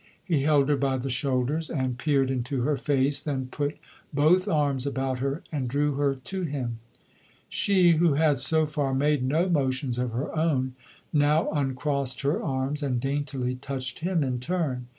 He held her by the shoulders and peered into her face, then put both arms about her and drew her to him. She, who had so far made no motions of her own, now uncrossed her arms and daintily touched him in turn.